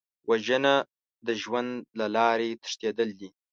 وژنه د ژوند له لارې تښتېدل دي